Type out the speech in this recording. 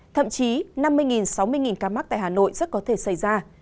thậm chí năm mươi sáu mươi ca mắc tại hà nội rất có thể xảy ra